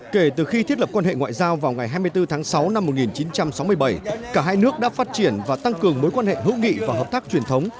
kể từ khi thiết lập quan hệ ngoại giao vào ngày hai mươi bốn tháng sáu năm một nghìn chín trăm sáu mươi bảy cả hai nước đã phát triển và tăng cường mối quan hệ hữu nghị và hợp tác truyền thống